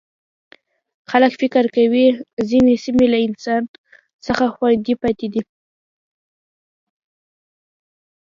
خلک فکر کوي ځینې سیمې له انسان څخه خوندي پاتې دي.